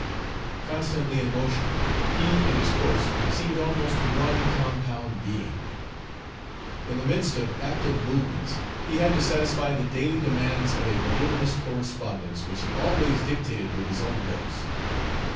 Constantly in motion, he and his horse seemed almost one compound being. In the midst of active movements he had to satisfy the daily demands of a voluminous correspondence, which he always dictated with his own lips.